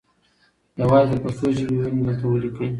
یوازې د پښتو ژبې وییونه دلته وليکئ